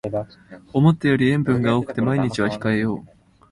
思ったより塩分が多くて毎日は控えよう